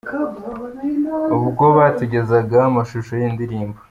Ubwo batugezagaho amashusho y’iyi ndirimbo, B.